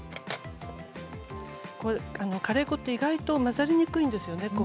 カレー粉って意外と混ざりにくいんですよね。